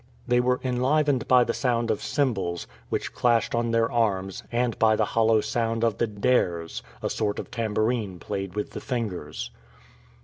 They were enlivened by the sound of cymbals, which clashed on their arms, and by the hollow sounds of the "daires" a sort of tambourine played with the fingers.